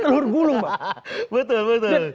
telur gulung pak betul betul